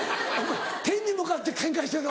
天に向かってケンカしてんの？